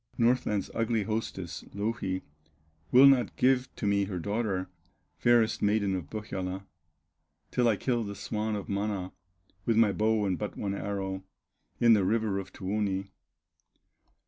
Northland's ugly hostess, Louhi, Will not give to me her daughter, Fairest maiden of Pohyola, Till I kill the swan of Mana, With my bow and but one arrow, In the river of Tuoni."